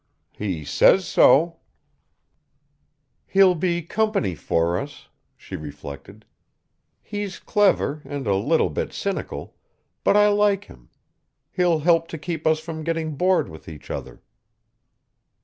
"He says so." "He'll be company for us," she reflected. "He's clever and a little bit cynical, but I like him. He'll help to keep us from getting bored with each other."